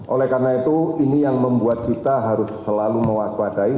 oleh karena itu ini yang membuat kita harus selalu mewaspadai